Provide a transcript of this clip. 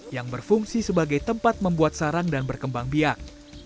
yang berfungsi sebagai tempat membuat sarang dan berkembang biak